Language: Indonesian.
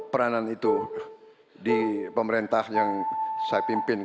pemerintah yang saya pimpin